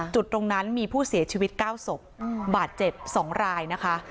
จุดตรงนั้นมีผู้เสียชีวิต๙ศพบาดเจ็บ๒รายนะคะ